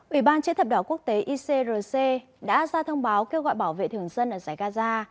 ủy ban chế thập đỏ quốc tế icrc đã ra thông báo kêu gọi bảo vệ thường dân ở giải gaza